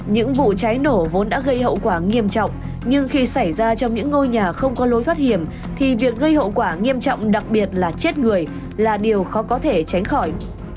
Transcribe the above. những vụ cháy nổ vốn đã gây hậu quả nghiêm trọng nhưng khi xảy ra trong những ngôi nhà không có lối thoát hiểm thì việc gây hậu quả nghiêm trọng đặc biệt là chết người là điều khó có thể tránh khỏi